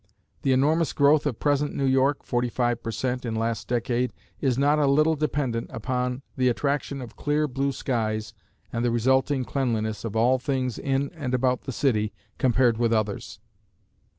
The enormous growth of present New York (45 per cent. in last decade) is not a little dependent upon the attraction of clear blue sides and the resulting cleanliness of all things in and about the city compared with others.